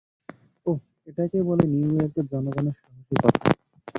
ওহ, এটাকেই বলে নিউইয়র্কের জনগণের সাহসিকতা।